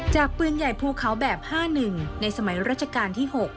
ปืนใหญ่ภูเขาแบบ๕๑ในสมัยราชการที่๖